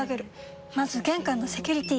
まず玄関のセキュリティ！